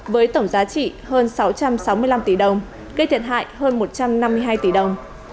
với tổng giá trị hơn sáu trăm sáu mươi năm tỷ đồng gây thiệt hại hơn một trăm năm mươi hai tỷ đồng